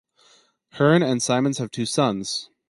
Hearn and Simons have two sons.